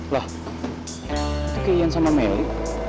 lah itu kayak ian sama mary